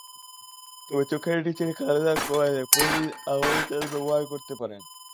তবে চোখের নিচের কালো দাগ কমাতে প্রতিদিন আমন্ড তেল ব্যবহার করতে পারেন।